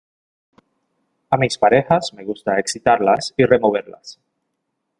a mis parejas me gusta excitarlas y removerlas